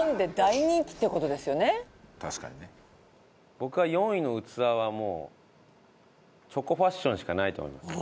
僕は４位の器はもうチョコファッションしかないと思います。